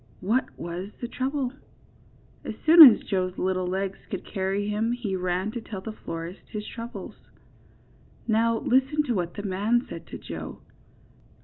What was the trouble? As soon as Joe's little legs could carry him he ran to tell the florist his troubles. Now listen to what the man said to Joe.